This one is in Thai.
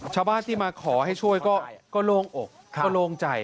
ชาวบ้านที่มาขอให้ช่วยก็โล่งอกก็โล่งใจ